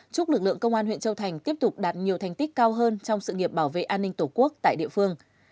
chúc lực lượng công an huyện châu thành tiếp tục đạt nhiều thành tích cao hơn trong sự nghiệp bảo vệ an ninh tổ quốc tại địa phương